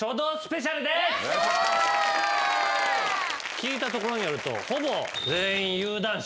聞いたところによると。